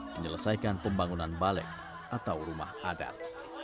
menyelesaikan pembangunan balek atau rumah adat